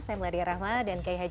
saya meladya rahma dan kay hayang